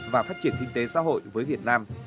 và phát triển kinh tế xã hội với việt nam